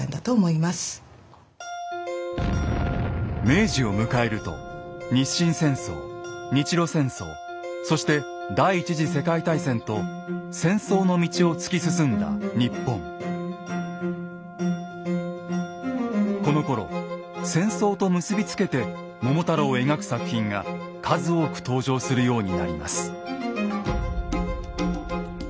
明治を迎えると日清戦争日露戦争そして第一次世界大戦とこのころ戦争と結び付けて「桃太郎」を描く作品が数多く登場するようになります。